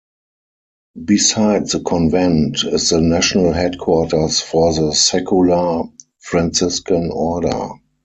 Beside the convent is the national headquarters for the Secular Franciscan Order.